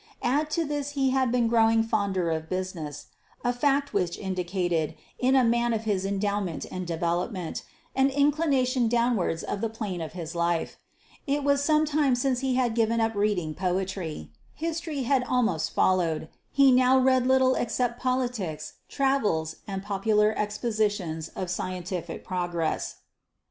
Add to this that he had been growing fonder of business, a fact which indicated, in a man of his endowment and development, an inclination downwards of the plane of his life. It was some time since he had given up reading poetry. History had almost followed: he now read little except politics, travels, and popular expositions of scientific progress.